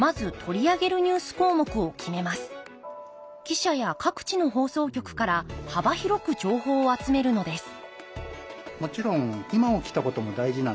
記者や各地の放送局から幅広く情報を集めるのです